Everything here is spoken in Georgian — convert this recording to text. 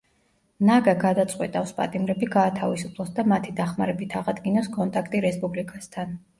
ნაგა გადაწყვიტავს, პატიმრები გაათავისუფლოს და მათი დახმარებით აღადგინოს კონტაქტი რესპუბლიკასთან.